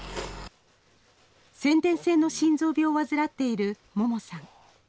先天性の心臓病を患っている桃さん。